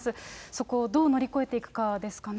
そこをどう乗り越えていくかですかね。